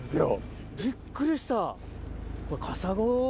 びっくりした。